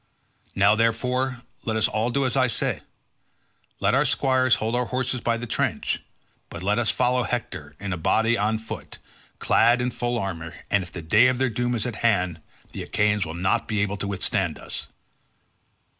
Now, therefore, let us all do as I say; let our squires hold our horses by the trench, but let us follow Hector in a body on foot, clad in full armour, and if the day of their doom is at hand the Achaeans will not be able to withstand us."